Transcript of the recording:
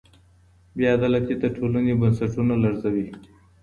بې عدالتي د ټولني بنسټونه لړزوي.